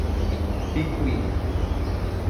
Picuí